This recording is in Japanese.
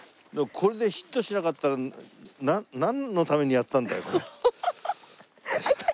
これでヒットしなかったらなんのためにやったんだよだよ。ハハハ！